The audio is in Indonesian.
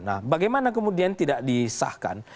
nah bagaimana kemudian tidak disahkan